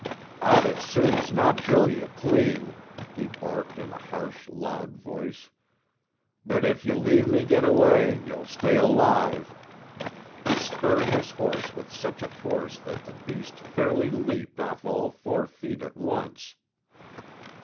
"I'd as soon as not drill yuh clean," he barked in a harsh, loud voice, "but if yuh leave me git away, you'll stay alive." He spurred his horse with such a force that the beast fairly leaped off all four feet at once.